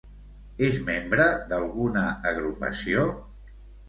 És membre d'alguna agrupació?